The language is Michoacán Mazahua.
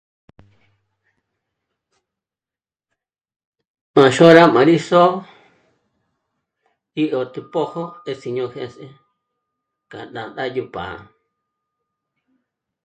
M'a xôra m'á'a rí só'o í 'ö́jt'ü pö́jö ndésíñó jês'e k'a ná ngádyó pá'a